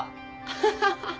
ハハハハ！